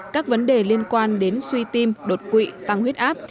các vấn đề liên quan đến suy tim đột quỵ tăng huyết áp